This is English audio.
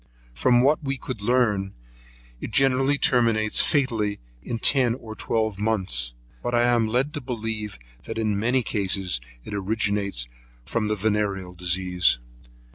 From what we could learn, it generally terminates fatally in ten or twelve months; but I am led to believe, that in many cases it originates from the venereal disease.